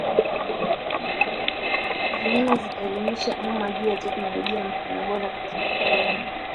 semina zitaelimisha umma juu ya teknolojia mpya na bora katika kilimo